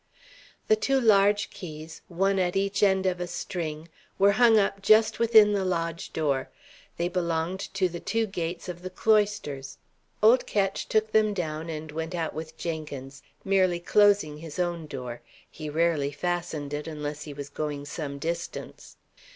The two large keys, one at each end of a string, were hung up just within the lodge door; they belonged to the two gates of the cloisters. Old Ketch took them down and went out with Jenkins, merely closing his own door; he rarely fastened it, unless he was going some distance.